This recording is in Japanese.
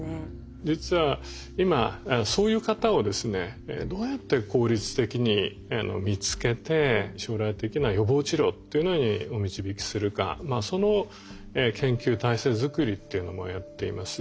実は今そういう方をですねどうやって効率的に見つけて将来的な予防治療というのにお導きするかその研究体制作りっていうのもやっています。